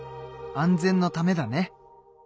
安全のためだね。